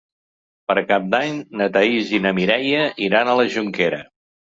Per Cap d'Any na Thaís i na Mireia iran a la Jonquera.